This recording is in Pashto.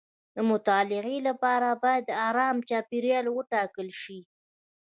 د مطالعې لپاره باید ارام چاپیریال وټاکل شي.